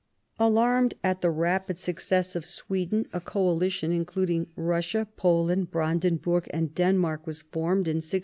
Alarmed at the rapid success of Sweden, a coalition, including Eussia, Poland, Brandenburg, and Denmark, was formed in 1657.